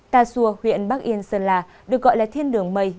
ta sua huyện bắc yên sơn la được gọi là thiên đường mây